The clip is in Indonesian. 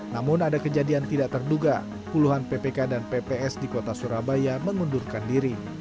namun ada kejadian tidak terduga puluhan ppk dan pps di kota surabaya mengundurkan diri